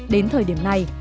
đến thời điểm này